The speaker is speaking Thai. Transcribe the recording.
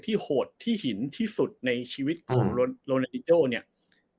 ที่โหดที่หินที่สุดในชีวิตของโรนโรนานิโยเนี้ยอืม